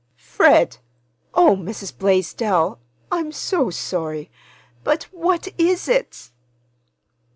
"Fred! Oh, Mrs. Blaisdell, I'm so sorry! But what—is it?"